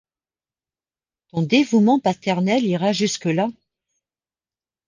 Ton dévouement paternel ira jusque-là!